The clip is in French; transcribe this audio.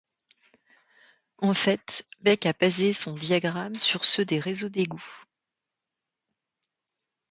En fait, Beck a basé son diagramme sur ceux des réseaux d’égouts.